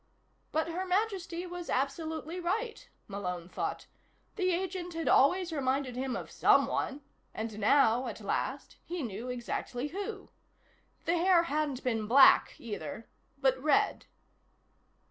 But Her Majesty was absolutely right, Malone thought. The agent had always reminded him of someone, and now, at last, he knew exactly who. The hair hadn't been black, either, but red.